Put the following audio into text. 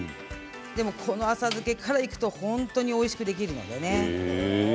この浅漬けからいくと本当においしくできるんです。